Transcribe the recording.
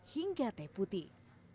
hingga teh putih